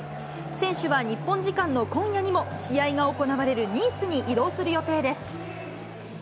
選手は日本時間の今夜にも、試合が行われるニースに移動する予定です。